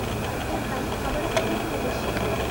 এর দাম খাবারের থেকেও বেশি।